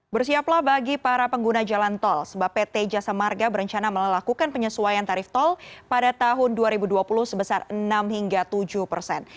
bersiaplah bagi para pengguna jalan tol sebab pt jasa marga berencana melakukan penyesuaian tarif tol pada tahun dua ribu dua puluh sebesar enam hingga tujuh persen